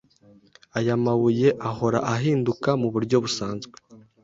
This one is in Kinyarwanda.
ayamabuye ahora ahinduka muburyo busanzwe